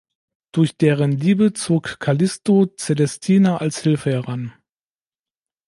Durch deren Liebe zog Calisto Celestina als Hilfe heran.